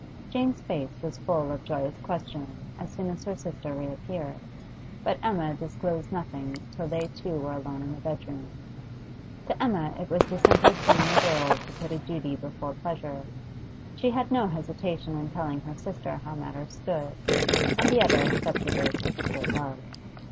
Jane's face was full of joyous questioning as soon as her sister reappeared, but Emma disclosed nothing till they two were alone in the bed room. To Emma it was the simplest thing in the world to put a duty before pleasure; she had no hesitation in telling her sister how matters stood. And the other accepted it as pure love.